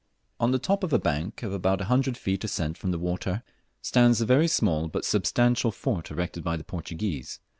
On the top of a bank, of about a hundred feet ascent from the water, stands the very small but substantial fort erected by the Portuguese.